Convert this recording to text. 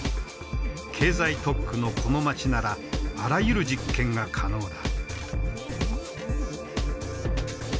経済特区のこの街ならあらゆる実験が可能だ。